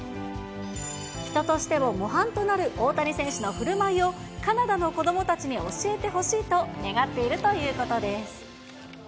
人としても模範となる大谷選手のふるまいを、カナダの子どもたちに教えてほしいと願っているということです。